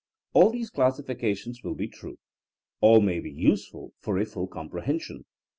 * All these classifications will be true ; all may be use ful for a full comprehension.